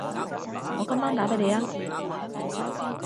我今晚打畀你吖